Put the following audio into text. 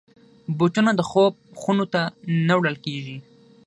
بوټونه د خوب خونو ته نه وړل کېږي.